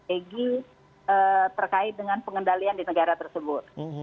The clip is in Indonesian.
egy terkait dengan pengendalian di negara tersebut